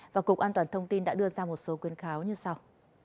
và cục an toàn thông tin đã đưa ra một số khuyến kháo như sau